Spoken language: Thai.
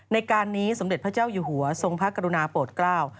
ในการนี้สมเด็จพระเจ้าอยู่หัวทรงพระกรุณาโปรดเกล้า